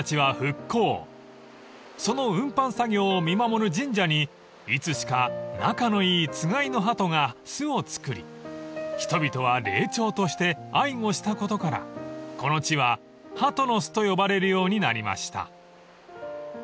［その運搬作業を見守る神社にいつしか仲のいいつがいのハトが巣を作り人々は霊鳥として愛護したことからこの地は鳩ノ巣と呼ばれるようになりました］